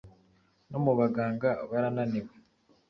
no mu baganga barananiwe